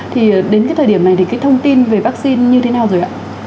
thời điểm này thì thông tin về vaccine như thế nào rồi ạ